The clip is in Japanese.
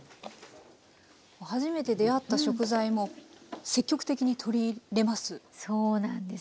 初めて出会った食材も積極的に取り入れます？